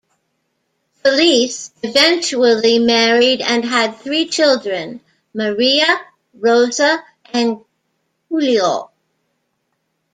Felice eventually married and had three children: Maria, Rosa, and Giulio.